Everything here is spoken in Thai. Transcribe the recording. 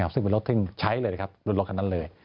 ซึ่งเป็นรถซึ่งใช้เลยนะครับรถคันนั้นเลย